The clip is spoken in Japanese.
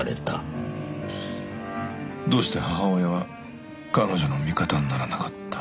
どうして母親は彼女の味方にならなかった？